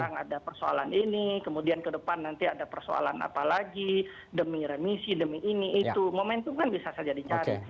sekarang ada persoalan ini kemudian ke depan nanti ada persoalan apa lagi demi remisi demi ini itu momentum kan bisa saja dicari